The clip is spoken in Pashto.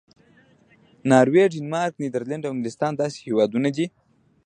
ناروې، ډنمارک، نیدرلینډ او انګلستان داسې هېوادونه دي.